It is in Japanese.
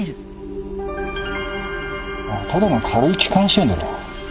ただの軽い気管支炎だろう。